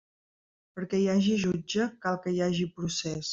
Perquè hi hagi jutge, cal que hi hagi procés.